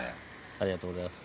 ありがとうございます。